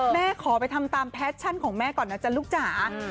ขอไปทำตามแพชชั่นของแม่ก่อนนะจ๊ะลูกจ๋า